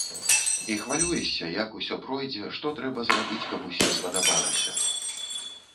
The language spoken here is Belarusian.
І хвалюешся, як усё пройдзе, што трэба зрабіць, каб усім спадабалася.